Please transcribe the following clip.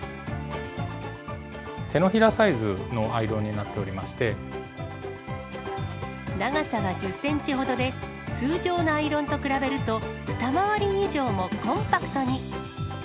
手のひらサイズのアイロンに長さは１０センチほどで、通常のアイロンと比べると、二回り以上もコンパクトに。